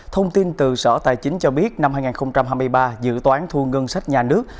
thông tin từ sở tài chính cho biết năm hai nghìn hai mươi ba dự toán thu ngân sách nhà nước